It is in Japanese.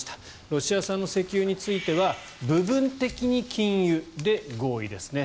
ロシア産の石油については部分的に禁輸で合意ですね。